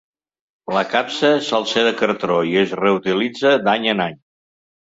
La capsa sol ser de cartó i es reutilitza d’any en any.